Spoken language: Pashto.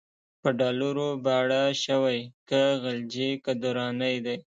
په ډالرو باړه شوی، که غلجی که درانی دی